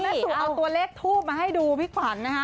แล้วค่ะแม่สุนเอาตัวเลขทูบมาให้ดูพี่ขวัญนะฮะ